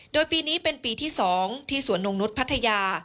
โดยปีนี้เป็นปีที่๒ที่สวนนงนุษย์พัทยา